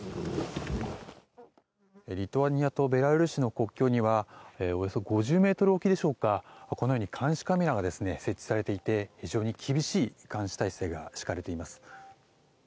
リトアニアとベラルーシの国境にはおよそ５０ｍ置きでしょうか監視カメラが設置されていて非常に厳しい監視体制が敷かれています。